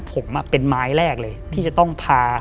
ผมเป็นไม้แรกเลยที่จะต้องพา